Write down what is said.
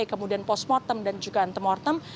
kemudian post mortem dan juga antemortem